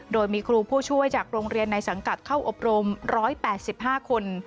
โดยมีครูผู้ช่วยจากโรงเรียนในสังกัดเข้าอบรม๑๘๕คน